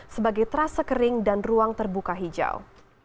sebagai terase kering dan ruang terbuka hijau